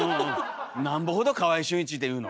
なんぼほど「川合俊一」って言うの。